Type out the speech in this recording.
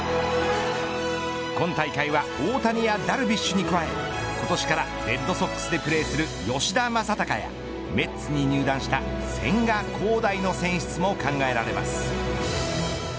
今大会は大谷やダルビッシュに加え今年からレッドソックスでプレーする吉田正尚やメッツに入団した千賀滉大の選出も考えられます。